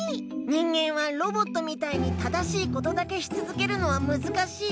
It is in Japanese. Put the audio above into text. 人間はロボットみたいに正しいことだけしつづけるのはむずかしい。